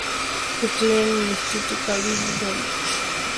Estudió en en Instituto Calvin Coolidge.